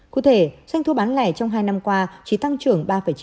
cụ thể doanh thu bán lẻ trong hai năm qua chỉ tăng trưởng ba chín mươi bảy